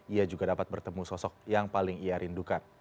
ia juga dapat bertemu sosok yang paling ia rindukan